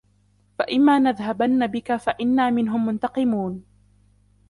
فَإِمَّا نَذْهَبَنَّ بِكَ فَإِنَّا مِنْهُمْ مُنْتَقِمُونَ